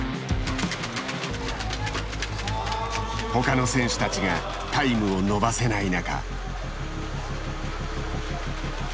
ほかの選手たちがタイムを伸ばせない中。